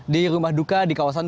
di rumah duka di kawasan